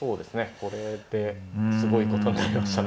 これですごいことになりましたね